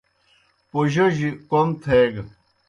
پوجوجیْ کوْم تھیگہ۔